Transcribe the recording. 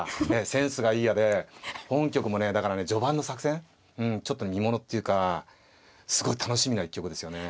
センスがいいやで本局もねだからね序盤の作戦うんちょっと見ものっていうかすごい楽しみな一局ですよね。